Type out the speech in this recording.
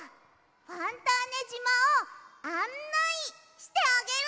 ファンターネじまを「あんない」してあげるの！